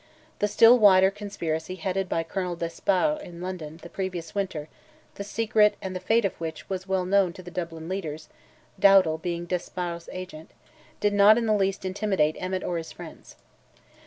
The still wilder conspiracy headed by Colonel Despard in London, the previous winter, the secret and the fate of which was well known to the Dublin leaders—Dowdall being Despard's agent—did not in the least intimidate Emmet or his friends.